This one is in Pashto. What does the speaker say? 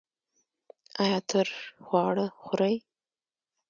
ایا ترش خواړه خورئ؟